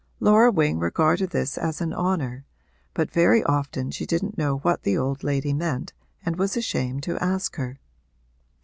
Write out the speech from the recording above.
Laura Wing regarded this as an honour, but very often she didn't know what the old lady meant and was ashamed to ask her.